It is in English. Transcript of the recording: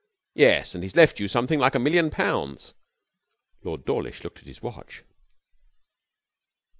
'Yes. And he's left you something like a million pounds.' Lord Dawlish looked at his watch.